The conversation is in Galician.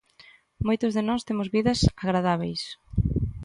Moitos de nós temos vidas agradábeis.